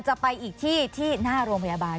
จะไปอีกที่ที่หน้าโรงพยาบาล